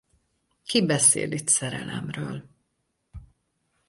Ki beszél itt szerelemről?